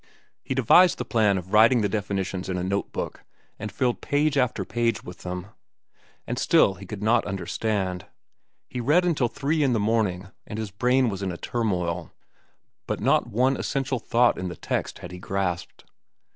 He devised the plan of writing the definitions in a note book, and filled page after page with them. And still he could not understand. He read until three in the morning, and his brain was in a turmoil, but not one essential thought in the text had he grasped.